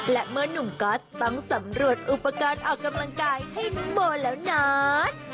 และเมื่อนุ่มก๊อตต้องสำรวจอุปกรณ์ออกกำลังกายให้น้องโมแล้วนาน